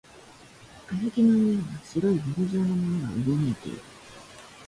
瓦礫の上では白いゲル状のものがうごめいている